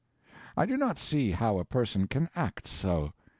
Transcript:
I do not see how a person can act so.